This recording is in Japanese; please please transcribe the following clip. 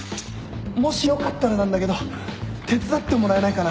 もしよかったらなんだけど手伝ってもらえないかな？